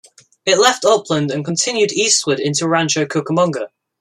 It left Upland and continued eastward into Rancho Cucamonga.